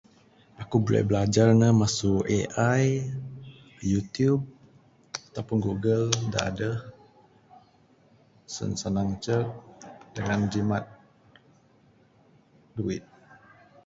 Aku buleh bilajar ne masu AI, YouTube ataupun google da adeh sen sanang icek dangan jimat duit.